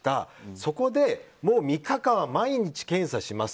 そこでもう３日間毎日検査します。